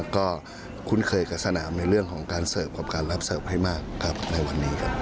ก็คุ้นเคยกับสนามในเรื่องของการเสิร์ฟความรับเสิร์ฟให้มากในวันนี้